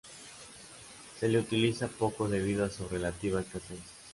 Se le utiliza poco debido a su relativa escasez.